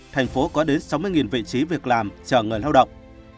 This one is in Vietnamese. thành phố có đến sáu mươi vị trí việc làm chờ người lao động